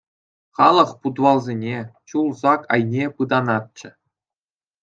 Халӑх путвалсене, чул сак айне пытанатчӗ.